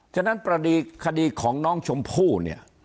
ฉะนั้นคดีของน้องชมพู่เนี่ย